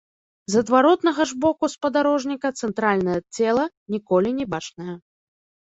З адваротнага ж боку спадарожніка цэнтральнае цела ніколі не бачнае.